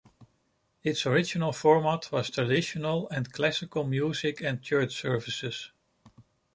Its original format was traditional and classical music and church services.